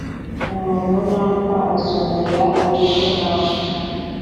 umuntu napfa azongera abeho naba